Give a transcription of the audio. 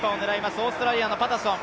オーストラリアのパタソン。